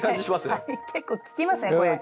結構効きますねこれ。